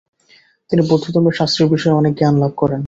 তিনি বৌদ্ধধর্মের শাস্ত্রীয় বিষয়ে অনেক জ্ঞান লাভ করেন।